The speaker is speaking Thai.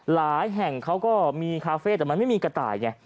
แห่งเขาก็มีคาเฟ่แต่มันไม่มีกระต่ายไง